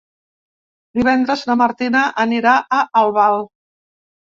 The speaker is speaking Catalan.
Divendres na Martina anirà a Albal.